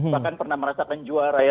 bahkan pernah merasakan juara ya